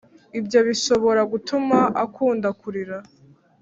Ibyo bishobora gutuma akunda kurira